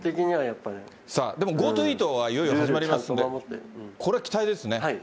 ＧｏＴｏイートがいよいよ始まりますんで、これは期待ですね。